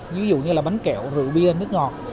ví dụ như là bánh kẹo rượu bia nước ngọt